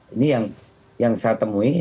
ini yang saya temui